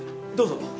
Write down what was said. どうぞ。